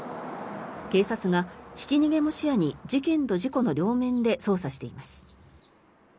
警察がひき逃げも視野に事件と事故の両面で捜査しています。